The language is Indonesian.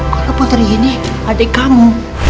kalau putri ini adik kamu